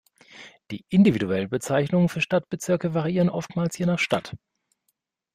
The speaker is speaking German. Die individuellen Bezeichnungen für Stadtbezirke variieren oftmals je nach Stadt.